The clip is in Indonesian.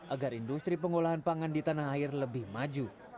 agar industri pengolahan pangan di tanah air lebih maju